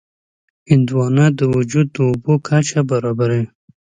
هندوانه د وجود د اوبو کچه برابروي.